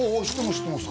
知ってます